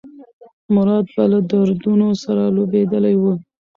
مراد به له دردونو سره لوبېدلی و.